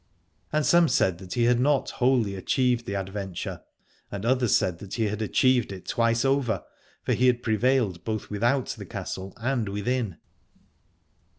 And some said that he had not wholly achieved the adventure, and others said that he had achieved it twice over, for he had prevailed both without the castle and within.